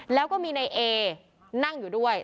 แล้วก็มีนายเอนั่งอยู่ด้วย